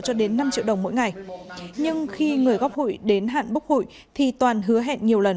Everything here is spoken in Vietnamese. cho đến năm triệu đồng mỗi ngày nhưng khi người góp hủy đến hạn bốc hủy thì toàn hứa hẹn nhiều lần